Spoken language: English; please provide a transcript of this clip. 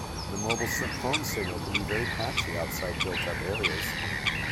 The mobile phone signal can be very patchy outside built-up areas